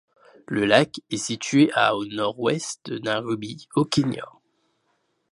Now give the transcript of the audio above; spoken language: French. Le lac est situé à au nord-ouest de Nairobi, au Kenya.